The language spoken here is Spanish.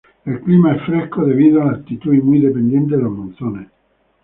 El clima es fresco debido a la altitud y muy dependiente de los monzones.